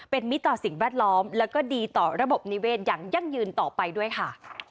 เป็นมิตรต่อสิ่งแวดล้อมแล้วก็ดีต่อระบบนิเวศอย่างยั่งยืนต่อไปด้วยค่ะ